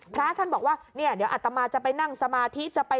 พระท่านบอกว่าเนี่ยเดี๋ยวอัตมาจะไปนั่งสมาธิจะไป